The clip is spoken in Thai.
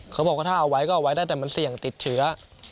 เขาบอกว่าถ้าเอาไว้ก็เอาไว้ได้แต่มันเสี่ยงติดเชื้อ